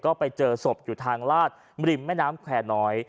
ก็ไปเจอศพอยู่ทางลาดริมแม่น้ำแควร์น้อย